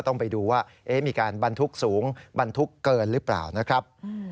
ในการบรรทุกสูงบรรทุกเกินหรือเปล่านะครับ